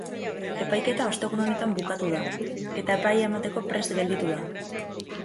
Epaiketa ostegun honetan bukatu da, eta epaia emateko prest gelditu da.